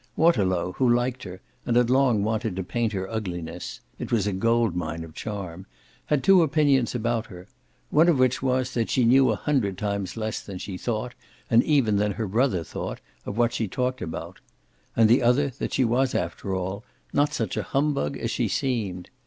Waterlow, who liked her and had long wanted to paint her ugliness it was a gold mine of charm had two opinions about her: one of which was that she knew a hundred times less than she thought, and even than her brother thought, of what she talked about; and the other that she was after all not such a humbug as she seemed.